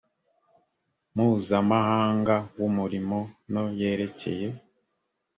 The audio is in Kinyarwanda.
mpuzamahanga w’umurimo no yerekeye